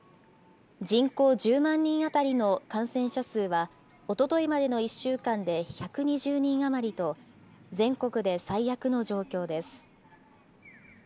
人口１０万人当たりの感染者数は、おとといまでの１週間で１２０人余りと、全国で最悪の状況です。